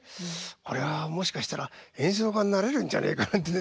「これはもしかしたら演奏家になれるんじゃねえか」なんてね。